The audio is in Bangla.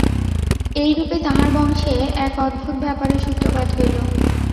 এইরূপে তাঁহার বংশে এক অদ্ভুত ব্যাপারের সূত্রপাত হইল।